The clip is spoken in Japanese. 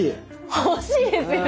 欲しいですよね。